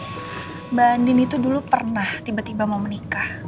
mbak andin itu dulu pernah tiba tiba menangis